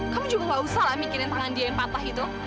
kamu juga gak usah lah mikirin tangan dia yang patah itu